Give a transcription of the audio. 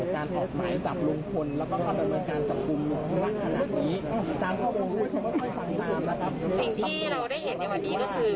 ทางก็ค่อยฟังตามละครับสิ่งที่เราได้เห็นในวันนี้ก็คือ